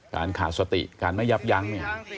การขาดสติการไม่ยับยั้ง